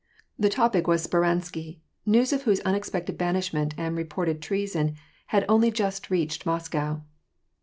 The topic was Speransky, news of whose unexpected banish ment and reported treason had only just reached Moscow.